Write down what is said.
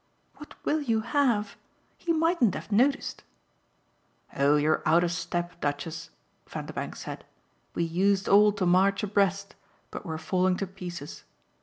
"What will you have? He mightn't have noticed." "Oh you're out of step, Duchess," Vanderbank said. "We used all to march abreast, but we're falling to pieces.